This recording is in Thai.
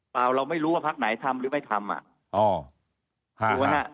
เปล่าเราไม่รู้ว่าภาคไหนทำหรือไม่ทำอ่ะ